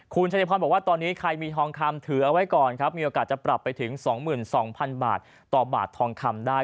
คุณชัยพรบอกว่าตอนนี้ใครมีทองคำถือเอาไว้ก่อนครับมีโอกาสจะปรับไปถึง๒๒๐๐๐บาทต่อบาททองคำได้